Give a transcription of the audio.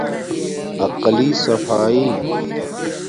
عقلی صفایݵ